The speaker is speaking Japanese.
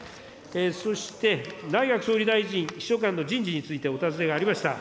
そして、内閣総理大臣秘書官の人事についてお尋ねがありました。